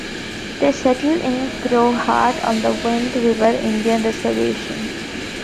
They settled in Crowheart, on the Wind River Indian Reservation.